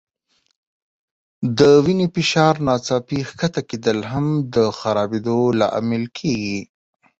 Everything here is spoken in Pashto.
د وینې د فشار ناڅاپي ښکته کېدل هم د خرابېدو لامل کېږي.